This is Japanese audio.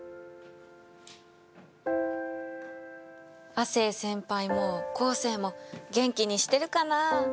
亜生先輩も昴生も元気にしてるかな？